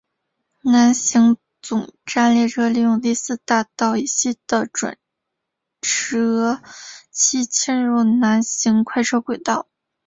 南行总站列车利用第四大道以西的转辙器进入南行快车轨道。